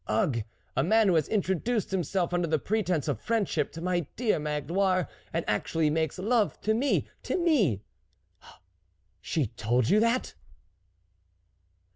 Ugh ! A man who has introduced himself under the pretence of friendship to my dear Mag loire, and actually makes love to me, to me .." 41 She told you that